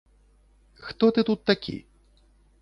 Хто ты тут такі?